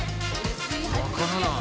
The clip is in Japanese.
分からない。